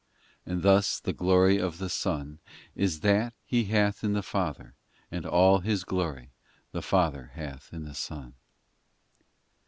And thus the glory of the Son Is that He hath in the Father, And all His glory the Father Hath in the Son.